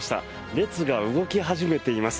列が動き始めています。